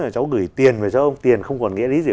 cháu gửi tiền cho ông tiền không còn nghĩa lý gì